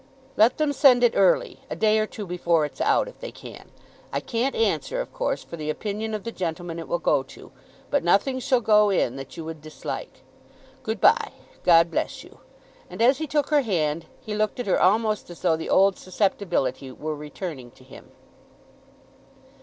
"Let them send it early, a day or two before it's out, if they can. I can't answer, of course, for the opinion of the gentleman it will go to, but nothing shall go in that you would dislike. Good bye. God bless you." And as he took her hand, he looked at her almost as though the old susceptibility were returning to him.